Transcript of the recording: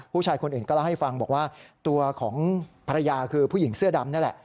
ผู้ชายคนอื่นก็เล่าให้ฟังบอกว่าตัวของภรรยาคือผู้หญิงเสื้อดำนี่แหละ